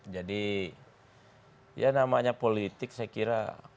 jadi ya namanya politik saya kira